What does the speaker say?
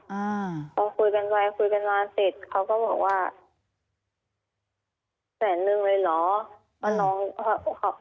อ่าพอคุยกันไปคุยกันมาเสร็จเขาก็บอกว่าแสนนึงเลยเหรอว่าน้องก็ขับ